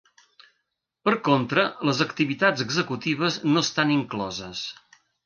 Per contra, les activitats executives no estan incloses.